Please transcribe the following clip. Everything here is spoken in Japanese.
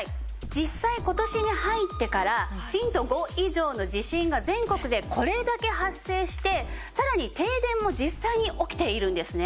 実際今年に入ってから震度５以上の地震が全国でこれだけ発生してさらに停電も実際に起きているんですね。